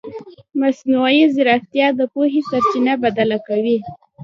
مصنوعي ځیرکتیا د پوهې سرچینه بدله کوي.